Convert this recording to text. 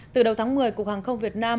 từ đầu tháng một mươi cục hàng không việt nam